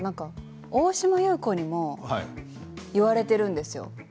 大島優子にも言われているんですよ。